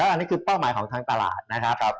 อันนี้คือเป้าหมายของทางตลาดนะครับ